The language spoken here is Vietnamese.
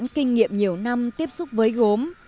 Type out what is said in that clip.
sẵn kinh nghiệm nhiều năm tiếp xúc với gốm